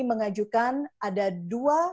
mengajukan ada dua